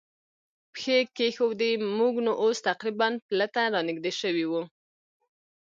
پښې کېښوودې، موږ نو اوس تقریباً پله ته را نږدې شوي و.